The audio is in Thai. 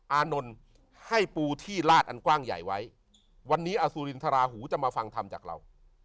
อานนท์ให้ปูที่ลาดอันกว้างใหญ่ไว้วันนี้อสุรินทราหูจะมาฟังธรรมจากเรา